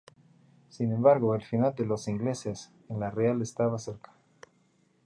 Sin embargo el final de "los ingleses" en la Real estaba cerca.